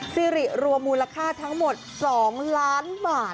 สิริรวมมูลค่าทั้งหมด๒ล้านบาท